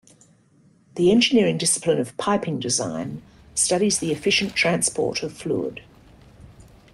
The engineering discipline of piping design studies the efficient transport of fluid.